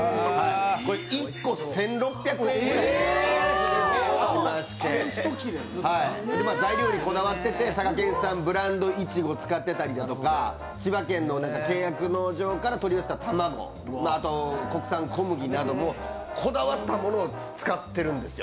１個１６００円しまして、材料にこだわってて、佐賀県産のブランドいちごを使っていたりだとか、千葉県の契約農場から取り寄せた卵、あと、国産小麦などこだわったものを使ってるんですよ。